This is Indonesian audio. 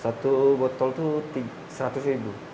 satu botol itu seratus ribu